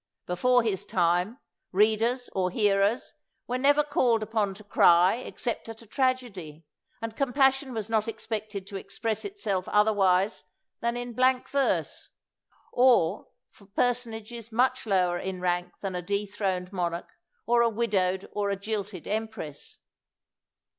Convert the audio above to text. Before his time, readers or hearers were never called upon to cry except at a tragedy, and compassion was not expected to express itself otherwise than in blank verse, of for personages much lower in rank than a dethroned monarch, or a widowed or a jilted empress.